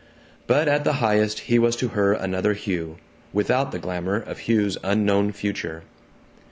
But at the highest he was to her another Hugh, without the glamor of Hugh's unknown future.